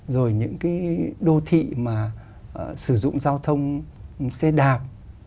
rồi những cái đô thị mà sử dụng giao thông xe đạp